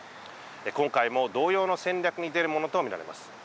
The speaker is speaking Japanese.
今回も同様の戦略に出るものと見られます。